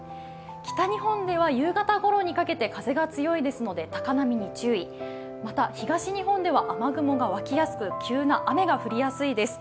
北日本では夕方ごろにかけて風が強いですので高波に注意また東日本では雨雲が湧きやすく急な雨が降りやすいです。